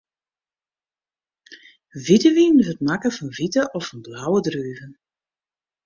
Wite wyn wurdt makke fan wite of fan blauwe druven.